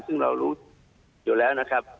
ซึ่งเรารู้อยู่แล้วนะครับ